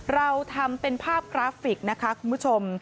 เราทำเป็นภาพกราฟิกนะคะคุณผู้ชม